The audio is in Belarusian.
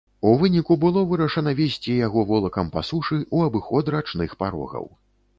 У выніку было вырашана везці яго волакам па сушы ў абыход рачных парогаў.